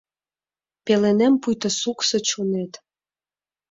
Пеленем пуйто суксо чонет.